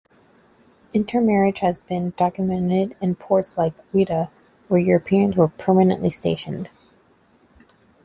Intermarriage has been documented in ports like Ouidah where Europeans were permanently stationed.